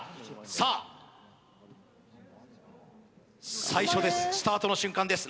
さあ最初ですスタートの瞬間です